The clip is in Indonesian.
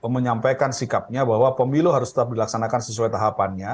mereka juga menjelaskan bahwa pemilu harus tetap dilaksanakan sesuai tahapannya